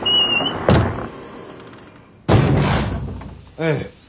ええ。